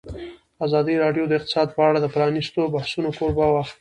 ازادي راډیو د اقتصاد په اړه د پرانیستو بحثونو کوربه وه.